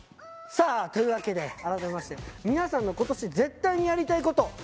さあというわけで改めまして皆さんの今年絶対にやりたいこと。